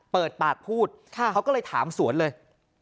เปิดปากพูดเขาก็เลยถามสวนเลย